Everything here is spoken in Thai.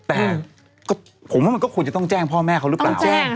แต่ผมว่ามันก็ควรจะต้องแจ้งพ่อแม่เขารึเปล่าต้องแจ้งค่ะ